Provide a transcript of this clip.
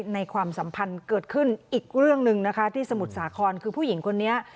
ความสัมพันธ์เกิดขึ้นอีกเรื่องหนึ่งนะคะที่สมุทรสาครคือผู้หญิงคนนี้